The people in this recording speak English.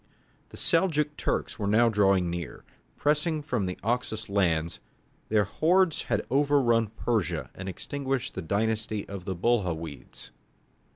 The Seljouk Turks were now drawing near. Pressing on from the Oxus lands, their hordes had overrun Persia and extinguished the dynasty of the Buhawides.